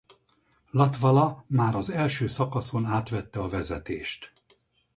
Latvala már az első szakaszon átvette a vezetést.